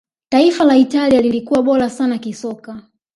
taifa la italia lilikuwa bora sana kisoka